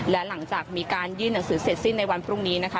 และหลังจากมีการยื่นหนังสือเสร็จสิ้นในวันพรุ่งนี้นะคะ